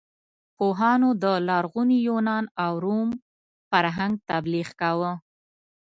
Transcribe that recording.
پوهانو د لرغوني یونان او روم فرهنګ تبلیغ کاوه.